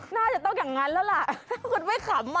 น่าจะต้องอย่างนั้นแล้วล่ะถ้าคุณไม่ขำ